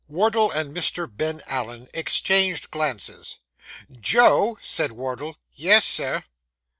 Wardle and Mr. Ben Allen exchanged glances. 'Joe!' said Wardle. 'Yes, sir.